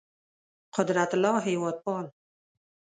قدرت الله هېوادپال